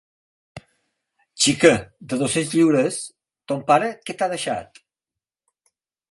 Xica de dos-centes lliures: ton pare, què t’ha deixat?